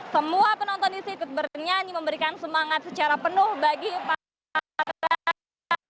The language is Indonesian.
semua penonton di situ bernyanyi memberikan semangat secara penuh bagi para penonton